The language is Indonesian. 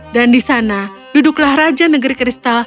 dan di sana duduklah raja negeri kristal